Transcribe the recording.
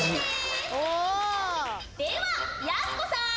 ではやす子さん。